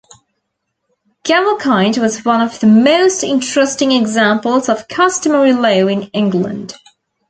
Gavelkind was one of the most interesting examples of customary law in England.